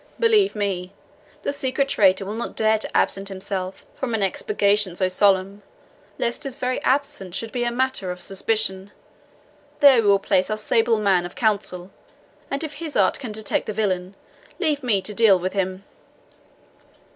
Believe me, the secret traitor will not dare to absent himself from an expurgation so solemn, lest his very absence should be matter of suspicion. There will we place our sable man of counsel, and if his art can detect the villain, leave me to deal with him."